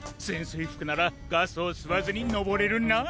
いふくならガスをすわずにのぼれるな！